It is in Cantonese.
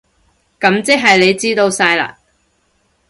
噉即係你知道晒喇？